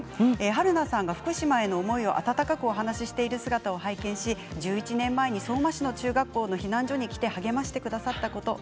はるなさんが福島への思いを温かく話されている姿を拝見し１１年前に相馬市の避難所で励ましてくれたことを